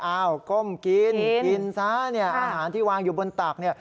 อ้าวก้มกินอาหารที่วางอยู่บนตัก